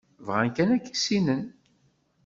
Bɣan kan ad k-issinen.